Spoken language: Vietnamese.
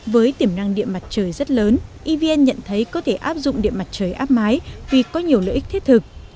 với tiềm năng điện mặt trời rất lớn evn nhận thấy có thể áp dụng điện mặt trời áp mái vì có nhiều lợi ích thiết thực